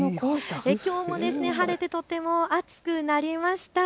きょうも晴れてとても暑くなりました。